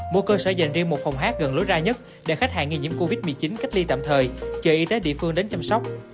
mỗi cơ sở dành riêng một phòng hát gần lối ra nhất để khách hàng nghi nhiễm covid một mươi chín cách ly tạm thời chờ y tế địa phương đến chăm sóc